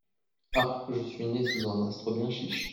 Ah ! je suis né sous un astre bien chiche !